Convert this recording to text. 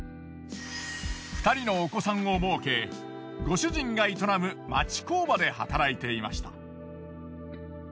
２人のお子さんをもうけご主人が営む町工場で働いていました。